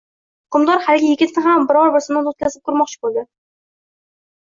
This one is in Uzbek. Hukmdor haligi yigitni ham bir bor sinovdan o`tkazib ko`rmoqchi bo`ldi